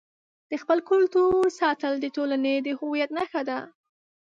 د خپل کلتور ساتل د ټولنې د هویت نښه ده.